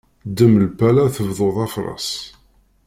Ddem lpala tebduḍ afras.